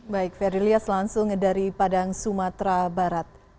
baik ferdilyas langsung dari padang sumatera barat